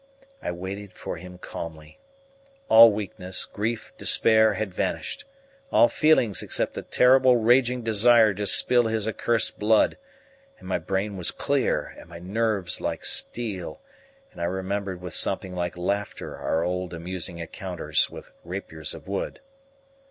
I waited for him calmly. All weakness, grief, despair had vanished, all feelings except a terrible raging desire to spill his accursed blood; and my brain was clear and my nerves like steel, and I remembered with something like laughter our old amusing encounters with rapiers of wood.